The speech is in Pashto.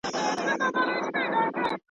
تر شهپر یې لاندي کړی سمه غر دی.